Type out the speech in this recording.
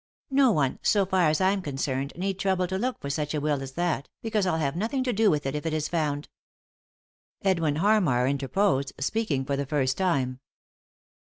No one, so for as I'm concerned, need trouble to look for such a will as that, because I'll have nothing to do with it if it is found." Edwin Harmar interposed, speaking for the first time.